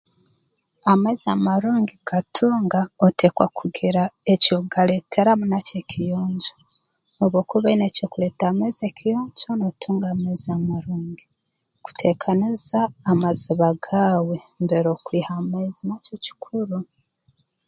Amaizi amarungi kugatunga oteekwa kugira eky'okugaleeteramu nakyo ekiyonjo obu okuba oine eky'oleeta amaizi ekiyonjo nootunga amaizi amarungi kuteekaniza amaziba gaawe mbere okwiha amaizi nakyo kikuru